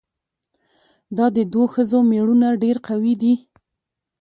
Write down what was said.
دا د دوو ښځو ميړونه ډېر قوي دي؟